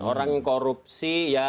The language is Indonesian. orang yang korupsi ya